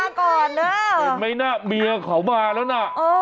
เห็นไหมน่ะเมียเขามาแล้วนะ